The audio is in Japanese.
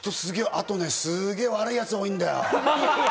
あと、すげぇ悪い奴多いんだよ。